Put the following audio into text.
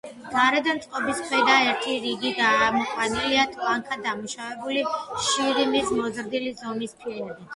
გარედან წყობის ქვედა ერთი რიგი გამოყვანილია ტლანქად დამუშავებული შირიმის მოზრდილი ზომის ფილებით.